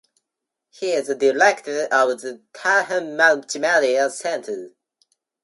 He is the director of the Tehran Multimedia Center.